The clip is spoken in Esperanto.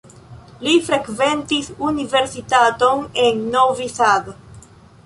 Li frekventis universitaton en Novi Sad.